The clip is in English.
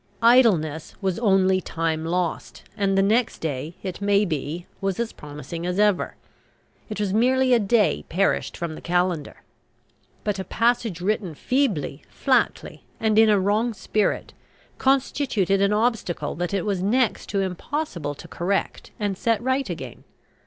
Idleness was only time lost; and the next day, it may be, was as promising as ever. It was merely a day perished from the calendar. But a passage written feebly, flatly, and in a wrong spirit, constituted an obstacle that it was next to impossible to correct and set right again.